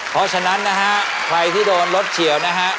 เพราะฉะนั้นนะฮะใครที่โดนรถเฉียวนะฮะ